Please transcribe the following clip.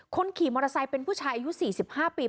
คนขี่มอเตอร์ไซค์เป็นผู้ชายอายุ๔๕ปี